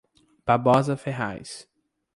Barbosa Ferraz